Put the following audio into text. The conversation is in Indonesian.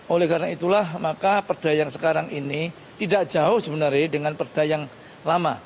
oleh karena itulah maka perda yang sekarang ini tidak jauh sebenarnya dengan perda yang lama